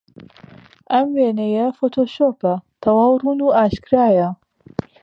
ئەو وێنەیە فۆتۆشۆپە، تەواو ڕوون و ئاشکرایە.